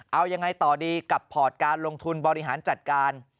เอายังไงต่อดีกับพอร์ตการลงทุนบริหารจัดการ